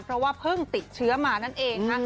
เพราะว่าเพิ่งติดเชื้อมานั่นเองค่ะ